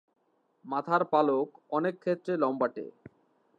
মাথার পালক অনেকক্ষেত্রে লম্বাটে।